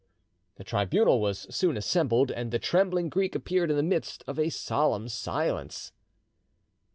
The tribunal was soon assembled, and the trembling Greek appeared in the midst of a solemn silence.